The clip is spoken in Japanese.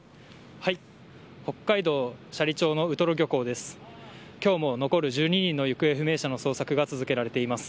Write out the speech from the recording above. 北海道斜里町のウトロ漁港です。